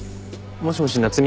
もしもし夏海。